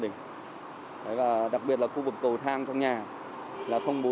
nhưng mà qua thực tế được các anh triển khai